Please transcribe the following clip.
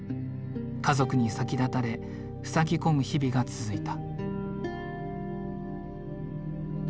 家族に先立たれふさぎ込む日々が続いた。